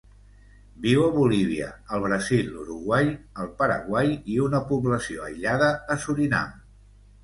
Viu a Bolívia, el Brasil, l'Uruguai, el Paraguai i una població aïllada a Surinam.